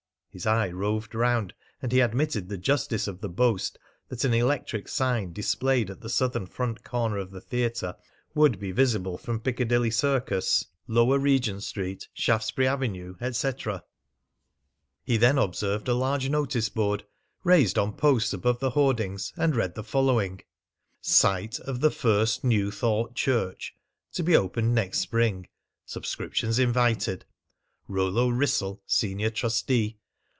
His eye roved round, and he admitted the justice of the boast that an electric sign displayed at the southern front corner of the theatre would be visible from Piccadilly Circus, lower Regent Street, Shaftesbury Avenue, etc. He then observed a large noticeboard, raised on posts above the hoardings, and read the following: _Site of the First New Thought Church to be opened next Spring. Subscriptions invited. Rollo Wrissell, Senior Trustee.